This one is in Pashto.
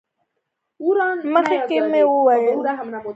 مخکې مو وویل چې د کار وسایل یوه ټولګه ده.